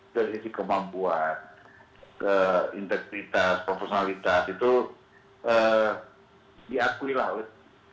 dari sisi kemampuan integritas profesionalitas itu diakui laut